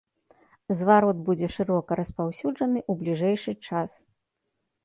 Зварот будзе шырока распаўсюджаны ў бліжэйшы час.